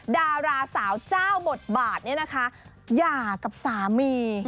ดาราสาวเจ้าบทบาทเนี่ยนะคะหย่ากับสามี